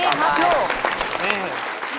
จ๋อ